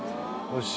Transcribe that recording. よし。